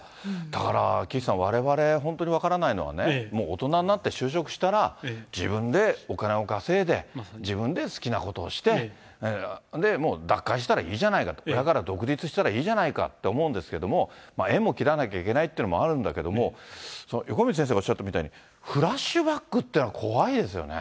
だから、岸さん、われわれ本当に分からないのはね、大人になって就職したら、自分でお金を稼いで、自分で好きなことをして、脱会したらいいじゃないか、親から独立したらいいじゃないかって思うんですけども、縁も切らなきゃいけないっていうのもあるんだけども、横道先生がおっしゃったみたいに、フラッシュバックっていうのは怖いですよね。